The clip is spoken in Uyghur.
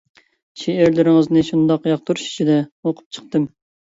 شېئىرلىرىڭىزنى شۇنداق ياقتۇرۇش ئىچىدە ئوقۇپ چىقتىم.